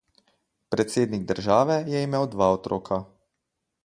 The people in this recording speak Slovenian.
Predsednik države je imel dva otroka.